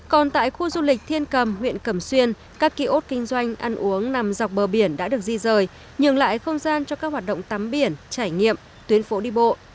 còn tại khu du lịch thiên cầm huyện cầm xuyên các kỳ ốt kinh doanh ăn uống nằm dọc bờ biển đã được di rời nhường lại không gian cho các hoạt động tắm biển trải nghiệm tuyến phổ đi bộ